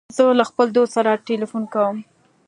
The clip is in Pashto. زه له خپل دوست سره تلیفون کوم.